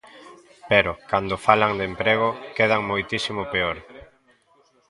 Pero, cando falan de emprego, quedan moitísimo peor.